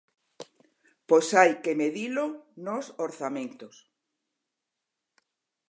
Pois hai que medilo nos orzamentos.